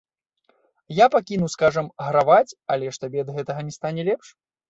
Я пакіну, скажам, гараваць, але ж табе ад гэтага не стане лепш.